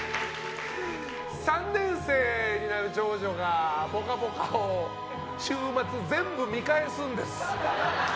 ３年生になる長女が「ぽかぽか」を週末、全部見返すんです。